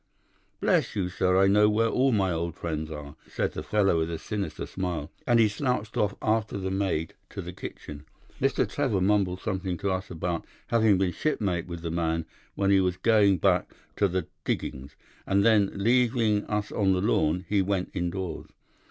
"'Bless you, sir, I know where all my old friends are,' said the fellow with a sinister smile, and he slouched off after the maid to the kitchen. Mr. Trevor mumbled something to us about having been shipmate with the man when he was going back to the diggings, and then, leaving us on the lawn, he went indoors.